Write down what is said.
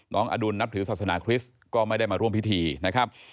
อดุลนับถือศาสนาคริสต์ก็ไม่ได้มาร่วมพิธีนะครับ